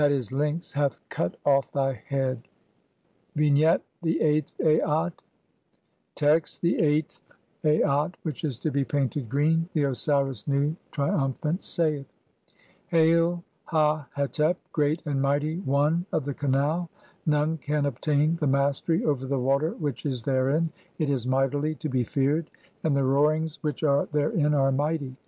e., Lynx) "hath cut off thy head." VIII. Vignette : The eighth Aat c Text : (1) The eighth Aat (which is to be painted] green. The Osiris Nu, triumphant, saith :— (2) 268 THE CHAPTERS OF COMING FORTH BY DAY. "Hail, Ha hetep, great and mighty one of the canal! None "can obtain the mastery over the water which is therein. (3) It "is mightily to be feared, and the roarings which are therein "are mighty.